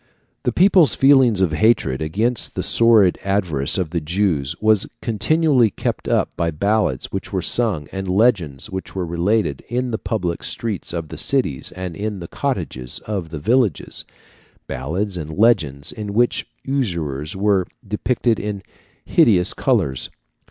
The people's feelings of hatred against the sordid avarice of the Jews was continually kept up by ballads which were sung, and legends which were related, in the public streets of the cities and in the cottages of the villages ballads and legends in which usurers were depicted in hideous colours (Fig.